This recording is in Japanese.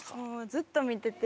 ずっと見てて。